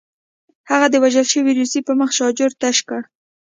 هغه د وژل شوي روسي په مخ شاجور تشه کړه